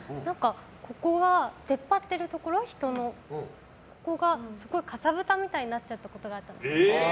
ここの出っ張ってるところがすごいかさぶたみたいになっちゃったことがるんですよ。